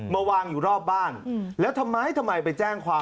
มาวางอยู่รอบบ้านแล้วทำไมทำไมไปแจ้งความ